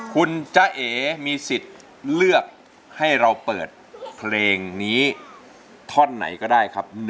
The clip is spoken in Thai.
คุณจ๊ะเอ๋มีสิทธิ์เลือกให้เราเปิดเพลงนี้ท่อนไหนก็ได้ครับ